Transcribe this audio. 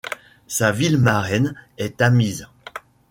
Sa ville marraine est Tamise.